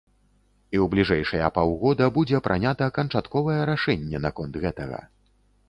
І ў бліжэйшыя паўгода будзе пранята канчатковае рашэнне наконт гэтага.